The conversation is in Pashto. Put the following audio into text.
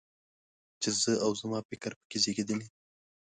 چې زه او زما فکر په کې زېږېدلی.